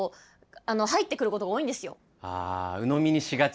ああうのみにしがち。